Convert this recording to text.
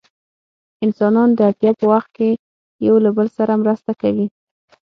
انسانان د اړتیا په وخت کې له یو بل سره مرسته کوي.